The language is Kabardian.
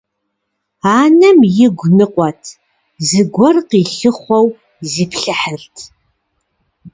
Анэм игу ныкъуэт, зыгуэр къилъыхъуэу зиплъыхьырт.